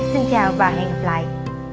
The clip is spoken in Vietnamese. xin chào và hẹn gặp lại